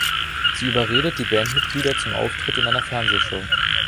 Sie überredet die Bandmitglieder zum Auftritt in einer Fernsehshow.